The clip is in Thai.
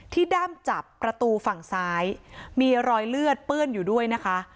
ด้ามจับประตูฝั่งซ้ายมีรอยเลือดเปื้อนอยู่ด้วยนะคะ